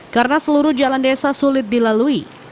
karena seluruh jalan desa sulit dilalui